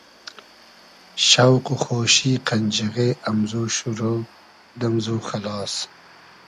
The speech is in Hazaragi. شۆق و خۉشی قئنجیغې امزو شورۉ, دئمزو خئلاس